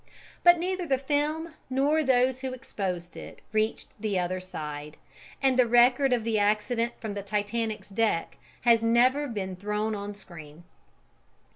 But neither the film nor those who exposed it reached the other side, and the record of the accident from the Titanic's deck has never been thrown on the screen.